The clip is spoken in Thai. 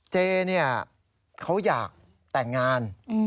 เจเนี่ยเขาอยากแต่งงาน